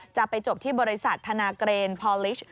จะไปจบที่บริษัทธนาเกรนพอลิช